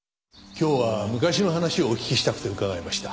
今日は昔の話をお聞きしたくて伺いました。